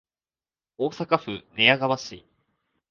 大阪府寝屋川市